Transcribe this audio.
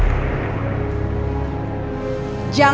dia buat kekuatan ama dua orang